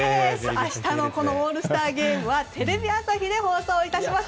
明日のオールスターゲームはテレビ朝日で放送致します。